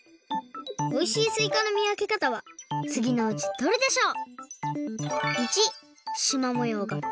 おいしいすいかの見分け方はつぎのうちどれでしょう？